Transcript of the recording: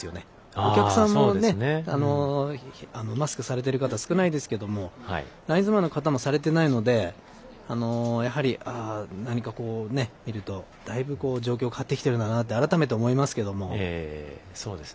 お客さんもマスクされてる方少ないですけどラインズマンの方もされていないので、やはり見るとだいぶ、状況変わってきてるんだなと改めて思いますけども。